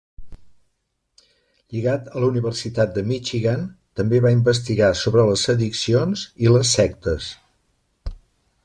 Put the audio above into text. Lligat a la Universitat de Michigan, també va investigar sobre les addicions i les sectes.